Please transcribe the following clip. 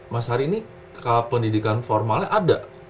mas hari ini pendidikan formalnya ada